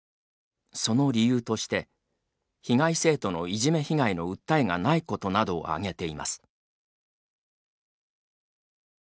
その理由として「被害生徒のいじめ被害の訴えがないこと」などを挙げています。